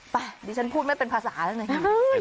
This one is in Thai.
ดิฉันพูดไม่เป็นภาษาแล้วไง